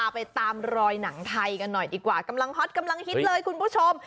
ไปตามรอยหนังไทยกันหน่อยดีกว่ากำลังฮอตกำลังฮิตเลยคุณผู้ชม